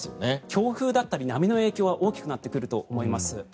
強風だったり波の影響は大きくなってくると思います。